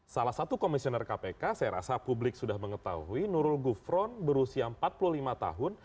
salah satu komisioner kpk saya rasa publik sudah mengetahui nurul gufron berusia empat puluh lima tahun